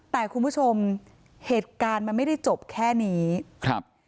แต่คุณผู้ชมเหตุการณ์มันไม่ได้จบแค่นี้ครับ